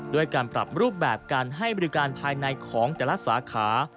ด้วยการปรับรูปแบบการให้บริการภายในของแต่ละสาขา